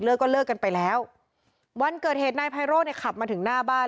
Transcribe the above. ก็เลิกกันไปแล้ววันเกิดเหตุนายไพโรธเนี่ยขับมาถึงหน้าบ้าน